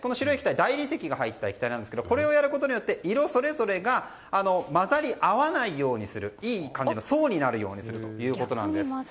大理石が入った液体なんですけどこれをやることによって色それぞれが混ざり合わないようにするいい感じの層になるようにするということなんです。